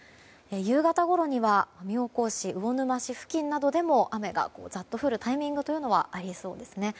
夕方ごろには妙高市、魚沼市付近でも雨がザッと降るタイミングがありそうですね。